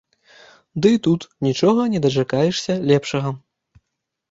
Дык і тут нічога не дачакаешся лепшага.